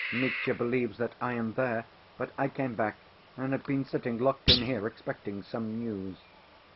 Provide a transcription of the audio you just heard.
Mitya believes that I am there, but I came back and have been sitting locked in here, expecting some news.